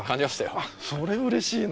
あそれうれしいな。